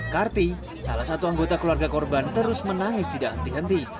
karti salah satu anggota keluarga korban terus menangis tidak henti henti